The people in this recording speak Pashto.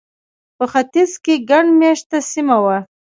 په ختیځ کې ګڼ مېشته سیمه وه.